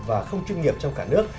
và không chuyên nghiệp trong cả nước